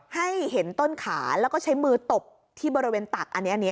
ให้เห็นต้นขาแล้วก็ใช้มือตบที่บริเวณตักอันนี้